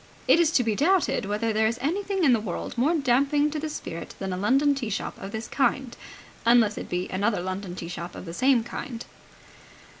It is to be doubted whether there is anything in the world more damping to the spirit than a London tea shop of this kind, unless it be another London tea shop of the same kind.